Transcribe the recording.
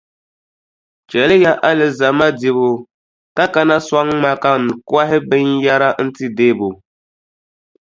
Chɛliya alizama dibu ka kana sɔŋ ma ka n kɔhi binyɛra n-ti Debo.